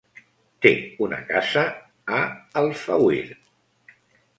Té una casa a Alfauir.